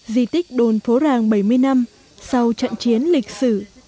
di tích đồn phố ràng bảy mươi năm sau trận chiến lịch sử